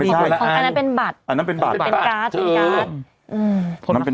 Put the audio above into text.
ไม่ใช่แล้วคนนั้นเป็นบัตรอันนั้นเป็นบัตรเป็นการ์ดเป็นยาน